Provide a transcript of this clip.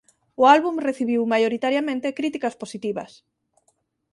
O álbum recibiu maioritariamente críticas positivas.